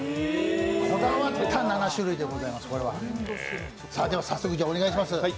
こだわった７種類でございます、早速お願いします。